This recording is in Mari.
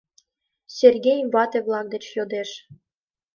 — Сергей вате-влак деч йодеш.